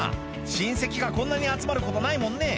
親戚がこんなに集まることないもんね」